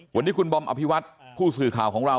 วันนี้คุณบอมอภิวัตผู้สื่อข่าวของเรา